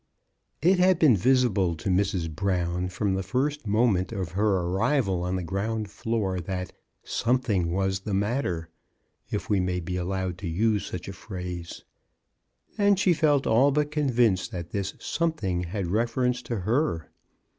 It had been visible to Mrs. Brown from the first moment of her arrival on the ground floor that '* something was the matter," if we may be allowed to use such a phrase ; and she felt all but convinced that this something had reference to her.